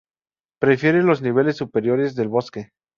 Prefiere los niveles superiores del bosque.